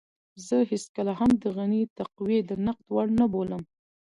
زه هېڅکله هم د غني تقوی د نقد وړ نه بولم.